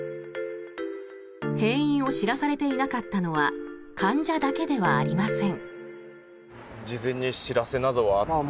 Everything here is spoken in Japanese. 閉院を知らされていなかったのは患者だけではありません。